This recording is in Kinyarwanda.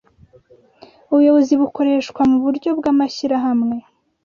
Ubuyobozi bukoreshwa muburyo bwamashyirahamwe